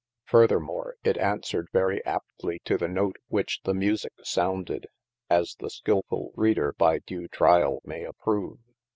Furthermore, it aunswered very aptly to the note whiche the musicke sounded, as the skilfull reader by due triall may approve.